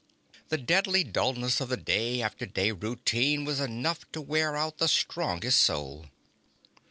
The deadly dullness of the day after day routine was enough to wear out the strongest soul.